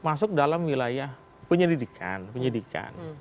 masuk dalam wilayah penyelidikan